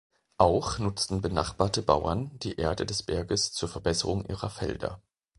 Auch nutzten benachbarte Bauern die Erde des Berges zur Verbesserung ihrer Felder.